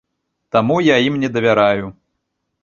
Таму я ім не давяраю.